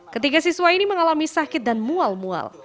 ketiga siswa ini mengalami sakit dan mual mual